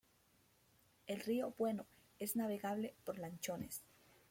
El río Bueno es navegable por lanchones.